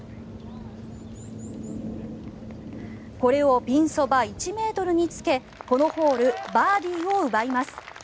これをピンそば１ｍにつけこのホールバーディーを奪います。